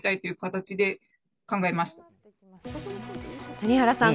谷原さん